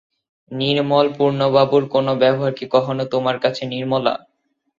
নির্মল, পূর্ণবাবুর কোনো ব্যবহার কি কখনো তোমার কাছে– নির্মলা।